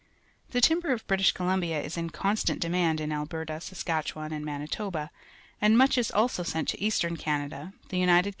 The timber of British Colum Tna is in constant demand in Alberta, Saskatchewan, and Manitoba, and miichrls" also sent to Eastern Canada, the United A.